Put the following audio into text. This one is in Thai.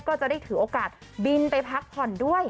ก็จะได้ถือโอกาสบินไปพักผ่อนด้วย